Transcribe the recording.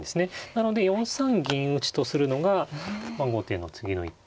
なので４三銀打とするのが後手の次の一手。